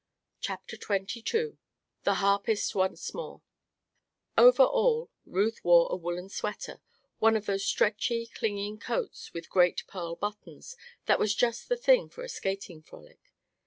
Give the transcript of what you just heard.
CHAPTER XXII THE HARPIST ONCE MORE Over all, Ruth wore a woolen sweater one of those stretchy, clinging coats with great pearl buttons that was just the thing for a skating frolic.